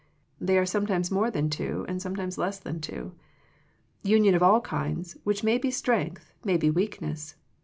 They are sometimes more than two, and sometimes less than two. Union of all kinds, which may be strength, may be weakness.